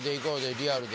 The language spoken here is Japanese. リアルで。